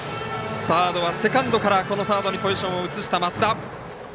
サードはセカンドからこのポジションに移した増田。